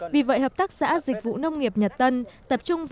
vì vậy hợp tác xã dịch vụ nông nghiệp nhật tân